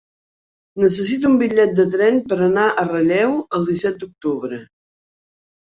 Necessito un bitllet de tren per anar a Relleu el disset d'octubre.